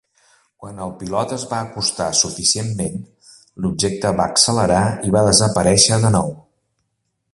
Quan el pilot es va acostar suficientment, l'objecte va accelerar i va desaparèixer de nou.